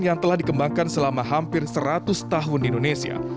yang telah dikembangkan selama hampir seratus tahun di indonesia